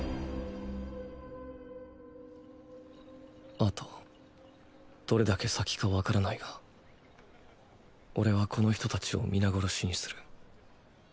あとどれだけ先かわからないがオレはこの人たちを皆殺しにする。